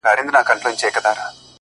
گــــوره زمــا د زړه ســـكــــونـــــه _